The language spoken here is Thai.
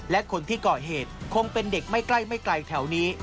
และคนที่ก่อเหตุคงเป็นเด็กไม่ใกล้ไม่ไกลแถวนี้